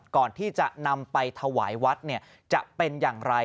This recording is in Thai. ก่อนที่จะนำไปถวายวัดจะเป็นอย่างไร